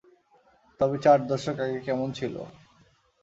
তবে চার দশক আগে কেমন ছিল?